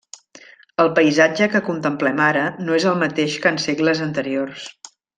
El paisatge que contemplem ara no és el mateix que en segles anteriors.